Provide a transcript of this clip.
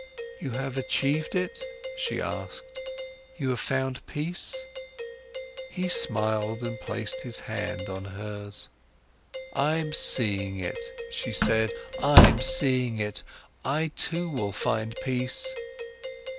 "You have achieved it?" she asked. "You have found peace?" He smiled and placed his hand on hers. "I'm seeing it," she said, "I'm seeing it. I too will find peace."